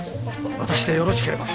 私でよろしければ。